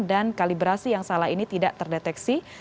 dan kaliberasi yang salah ini tidak terdeteksi selama perbaikan